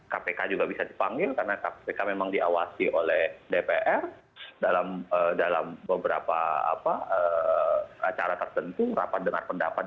kpk juga bisa dipanggil karena kpk memang diawasi oleh dpr dalam beberapa acara tertentu rapat dengar pendapat